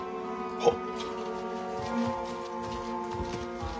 はっ。